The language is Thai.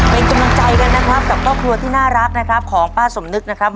เป็นกำลังใจกับต้องครัวที่น่ารักของป้าสมนึกนะครับ